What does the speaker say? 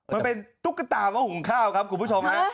มันเป็นตุ๊กตามะหุงข้าวครับคุณผู้ชมฮะ